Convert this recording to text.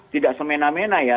tidak semena mena ya